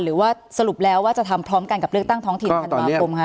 หรือว่าสรุปแล้วว่าจะทำพร้อมกันกับเลือกตั้งท้องถิ่นธันวาคมคะ